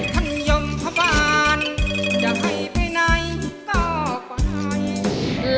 ท่านยมพระบาลจะให้ไปไหนก็ฝนให้